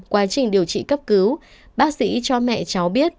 quá trình điều trị cấp cứu bác sĩ cho mẹ cháu biết